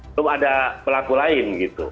belum ada pelaku lain gitu